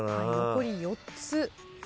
残り４つ。